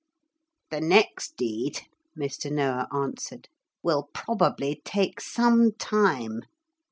'The next deed,' Mr. Noah answered, 'will probably take some time.